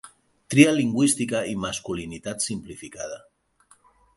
Tria lingüística i masculinitat simplificada.